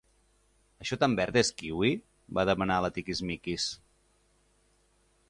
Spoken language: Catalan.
Això tan verd és kiwi? —va demanar la Tiquismiquis.